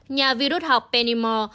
nhà vi rút học pennymore